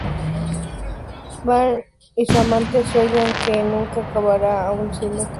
Van y su amante "sueñan que nunca acabará", aún sabiendo que desde luego ocurrirá".